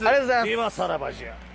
ではさらばじゃ。